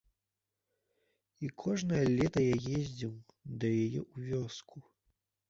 І кожнае лета я ездзіў да яе ў вёску.